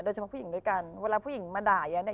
เฉพาะผู้หญิงด้วยกันเวลาผู้หญิงมาด่าอย่างนี้เนี่ย